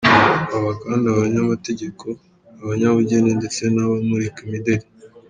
Baba kandi abanyamategeko, abanyabugeni ndetse n’abamurika imideli.